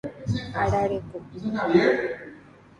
Arareko